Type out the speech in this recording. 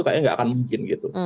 kayaknya nggak akan mungkin gitu